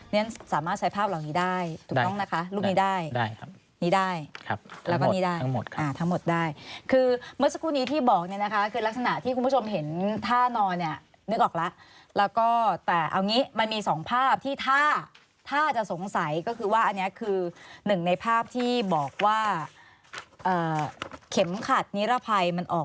ฉันสามารถใช้ภาพเหล่านี้ได้ถูกต้องนะคะรูปนี้ได้ครับนี้ได้แล้วก็นี่ได้ทั้งหมดได้คือเมื่อสักครู่นี้ที่บอกเนี่ยนะคะคือลักษณะที่คุณผู้ชมเห็นท่านอนเนี่ยนึกออกแล้วแล้วก็แต่เอางี้มันมีสองภาพที่ถ้าถ้าจะสงสัยก็คือว่าอันนี้คือหนึ่งในภาพที่บอกว่าเข็มขัดนิรภัยมันออก